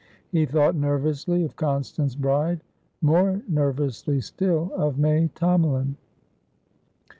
He thought nervously of Constance Bride, more nervously still of May Tomalin.